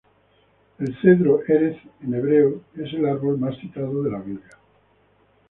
El cedro ―"erez" en hebreo― es el árbol más citado de la Biblia.